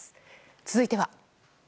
続いては。